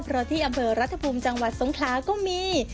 เพราะที่อำเภอรัฐภูมิจังหวัดสงคลาก็มี